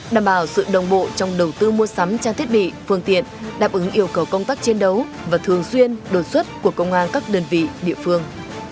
đảm bảo sự đồng bộ trong đầu tư mua sắm trang thiết bị phương tiện đáp ứng yêu cầu công tác chiến đấu và thường xuyên đột xuất của công an các đơn vị địa phương